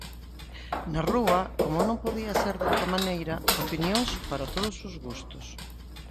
Na rúa, como non podía ser doutra maneira, opinións para todos os gustos.